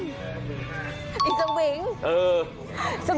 สวิ้ง